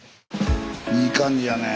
いい感じやね。